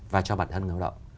và cho bản thân người lao động